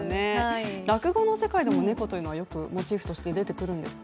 落語の世界でも猫というのはよくモチーフとして出てくるんですか？